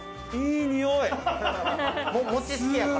いいにおい。